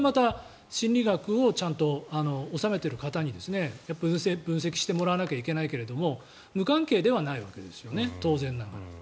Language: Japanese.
これはまた、心理学をちゃんと修めている方に分析してもらわないといけないけど無関係ではないわけですよね。